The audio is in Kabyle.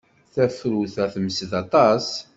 Tafrut-a temsed aṭas.